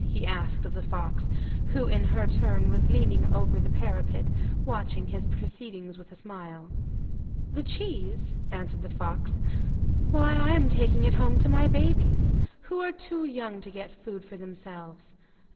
he asked of the fox, who in her turn was leaning over the parapet watching his proceedings with a smile. 'The cheese?' answered the fox; 'why I am taking it home to my babies, who are too young to get food for themselves.